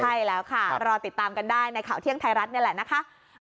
ใช่แล้วค่ะรอติดตามกันได้ในข่าวเที่ยงไทยรัฐนี่แหละนะคะ